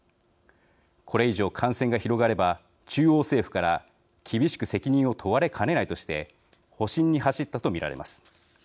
これ以上、感染が広がれば中央政府から厳しく責任を問われかねないとして保身に走ったと見られます。